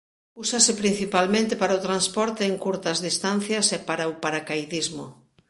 Úsase principalmente para o transporte en curtas distancias e para o paracaidismo.